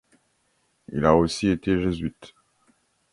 Il a aussi été jésuite.